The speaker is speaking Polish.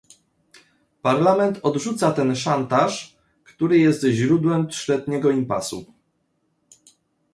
Parlament odrzuca ten szantaż, który jest źródłem trzyletniego impasu